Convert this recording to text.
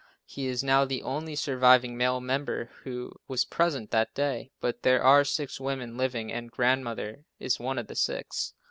He is now the only surviving male member who was present that day, but there are six women living, and Grandmother is one of the six.